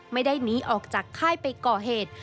ไม่ได้หนีออกจากค่ายไปก่อเหตุ